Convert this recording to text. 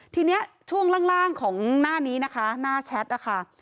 ทีนี้ช่วงล่างของหน้านี้นะคะหน้าแชทนะคะ